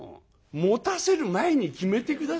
「持たせる前に決めて下さいよ」。